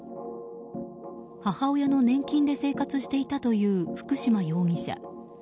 母親の年金で生活していたという福島容疑者。